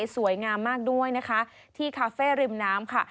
สวยงามมากด้วยนะคะที่คาเฟ่ริมน้ำค่ะ